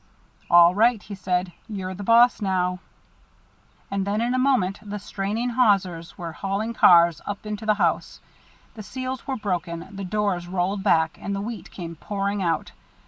"All right," he said. "You're the boss now." And then in a moment the straining hawsers were hauling cars up into the house. The seals were broken, the doors rolled back, and the wheat came pouring out.